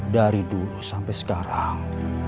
dari dulu sampai sekarang